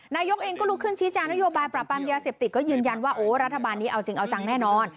นายกเองก็ลุกขึ้นชี้แจงนโยบายปรับปรามยาเสพติดก็ยืนยันว่าโอ้รัฐบาลนี้เอาจริงเอาจังแน่นอน